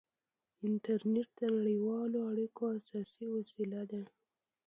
انټرنېټ د نړیوالو اړیکو اساسي وسیله ده.